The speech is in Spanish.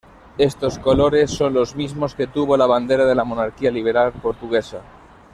Estos colores son los mismos que tuvo la bandera de la Monarquía liberal portuguesa.